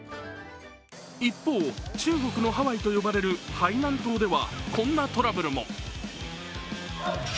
一方、中国のハワイと呼ばれる海南島ではこんなトラブルも。